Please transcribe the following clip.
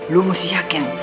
lu mesti yakin